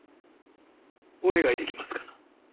お願いできますかな。